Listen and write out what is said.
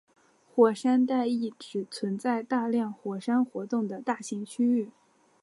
火山带意指存在大量火山活动的大型区域。